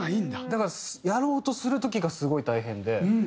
だからやろうとする時がすごい大変で。